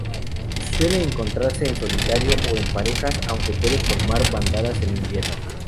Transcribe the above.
Suele encontrase en solitario o en parejas, aunque puede formar bandadas en invierno.